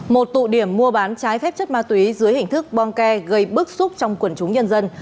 một tụ điểm mua bán trái phép chất ma túy dưới hình thức bong ke gây bức xúc trong quần chúng nhân dân